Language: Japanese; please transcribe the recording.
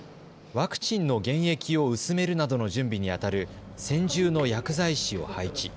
ワクチンの原液を薄めるなどの準備にあたる専従の薬剤師を配置。